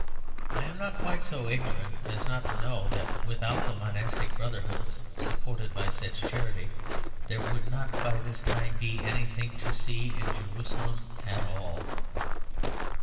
I am not quite so ignorant as not to know that without the monastic brotherhoods, supported by such charity, there would not by this time be anything to see in Jerusalem at all.